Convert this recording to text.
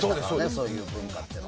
そういう文化って。